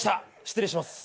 失礼します。